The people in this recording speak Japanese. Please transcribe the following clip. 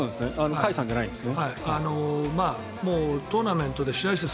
甲斐さんじゃないんですね。